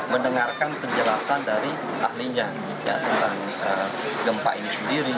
mendengarkan penjelasan dari ahlinya tentang gempa ini sendiri